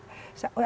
ada satu catatan